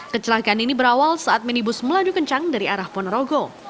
kecelakaan ini berawal saat minibus melaju kencang dari arah ponorogo